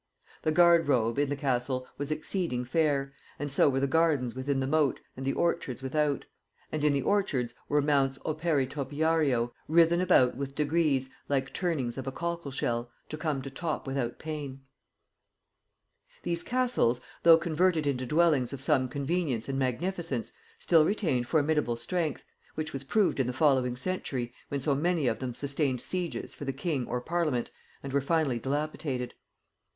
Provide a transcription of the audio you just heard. The garde robe in the castle was exceeding fair, and so were the gardens within the mote and the orchards without; and in the orchards were mounts opere topiario writhen about with degrees like turnings of a cockle shell, to come to top without pain.' These castles, though converted into dwellings of some convenience and magnificence, still retained formidable strength, which was proved in the following century, when so many of them sustained sieges for the king or parliament and were finally dilapidated.